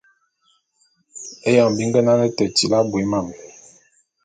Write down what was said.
Éyoñg bi ngenane te tili abui mam...